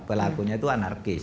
pelakunya itu anarkis